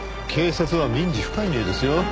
警察は民事不介入ですよ。